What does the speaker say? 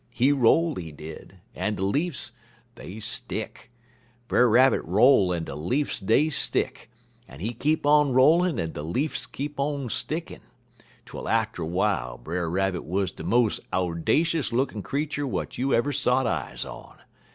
He roll, he did, en de leafs dey stick; Brer Rabbit roll, en de leafs dey stick, en he keep on rollin' en de leafs keep on stickin', twel atter w'ile Brer Rabbit wuz de mos' owdashus lookin' creetur w'at you ever sot eyes on.